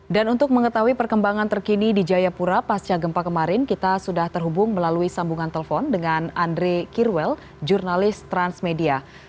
dan untuk mengetahui perkembangan terkini di jayapura pasca gempa kemarin kita sudah terhubung melalui sambungan telepon dengan andre kirwel jurnalis transmedia